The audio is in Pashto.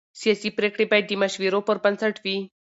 سیاسي پرېکړې باید د مشورو پر بنسټ وي